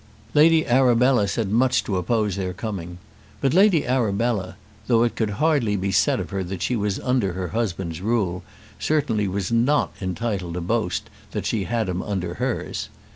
Lady Arabella said much to oppose their coming; but Lady Arabella, though it could hardly be said of her that she was under her husband's rule, certainly was not entitled to boast that she had him under hers.